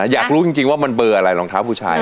อยากรู้จริงว่ามันเบอร์อะไรรองเท้าผู้ชาย